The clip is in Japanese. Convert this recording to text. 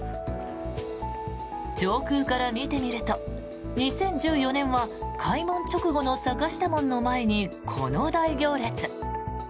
上空から見てみると２０１４年は開門直後の坂下門の前にこの大行列。